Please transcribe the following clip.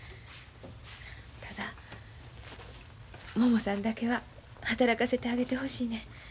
ただももさんだけは働かせてあげてほしいねん。